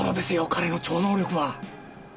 彼の超能力は。